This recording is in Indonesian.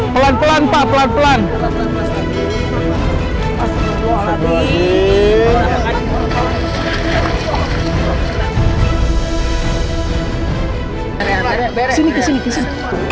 pelan pelan pak pelan pelan